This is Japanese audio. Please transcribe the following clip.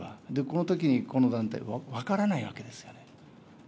このときにこの団体は分からないわけですよ。